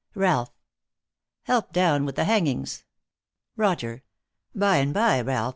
RALPH. Help down with the hangings. ROGER. By and by, Ralph.